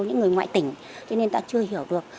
những người ngoại tỉnh cho nên ta chưa hiểu được